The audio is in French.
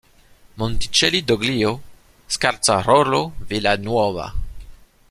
Monticelli d'Oglio, Scorzarolo, Villanuova.